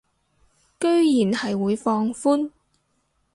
居然係會放寬